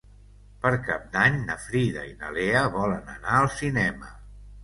Per Cap d'Any na Frida i na Lea volen anar al cinema.